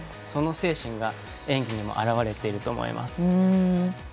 その精神が演技にも表れていると思います。